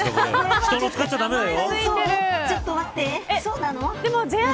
人の使っちゃ駄目だよ。